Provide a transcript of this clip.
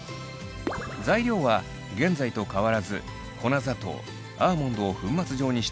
材料は現在と変わらず粉砂糖アーモンドを粉末状にしたアーモンドプードル